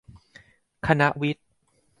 คณะวิทย์